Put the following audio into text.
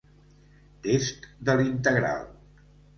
Test de l'integral.